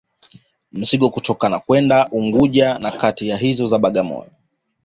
Mizigo kutoka na kwenda Unguja na kati ya hizo Bagamoyo